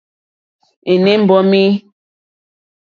Ènê mbɔ́mí.